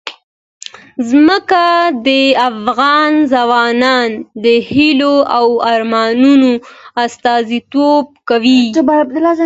ځمکه د افغان ځوانانو د هیلو او ارمانونو استازیتوب کوي.